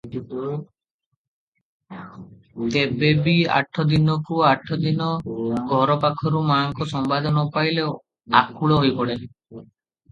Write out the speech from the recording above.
ତେବେ ବି ଆଠଦିନକୁ ଆଠଦିନ ଘରପାଖରୁ ମା'ଙ୍କ ସମ୍ବାଦ ନ ପାଇଲେ ଆକୁଳ ହୋଇପଡେ ।